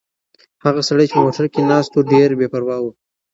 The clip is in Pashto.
هغه سړی چې په موټر کې ناست و ډېر بې پروا و.